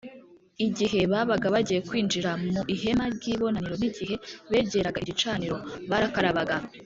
Igihe babaga bagiye kwinjira mu ihema ry ibonaniro n igihe begeraga igicaniro barakarabaga